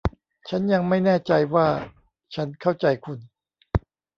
ฉันยังไม่แน่ใจว่าฉันเข้าใจคุณ